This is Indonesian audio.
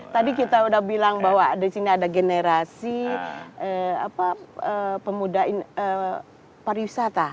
tadi kita udah bilang bahwa di sini ada generasi pariwisata